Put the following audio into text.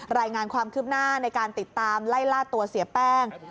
รายงานความคืบหน้าในการติดตามไล่ล่าตัวเสียแป้ง